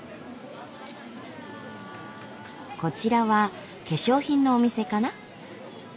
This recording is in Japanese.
こちらは化粧品のお店かな？